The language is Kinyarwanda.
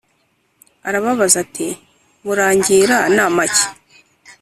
Arababaza ati “Murangira nama ki